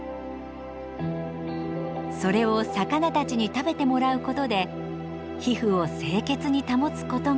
それを魚たちに食べてもらうことで皮膚を清潔に保つことができます。